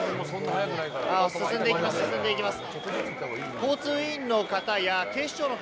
あっ、進んでいきます、進んでいきます。